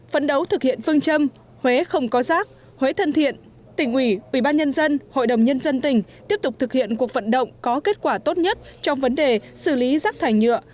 phấn đấu thực hiện phương châm huế không có rác huế thân thiện tỉnh ủy ủy ban nhân dân hội đồng nhân dân tỉnh tiếp tục thực hiện cuộc vận động có kết quả tốt nhất trong vấn đề xử lý rác thải nhựa